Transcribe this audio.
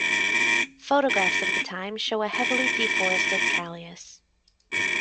Photographs of the time show a heavily de-forested Calais.